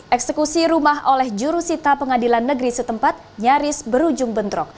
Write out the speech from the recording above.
eksekusi rumah oleh jurusita pengadilan negeri setempat nyaris berujung bentrok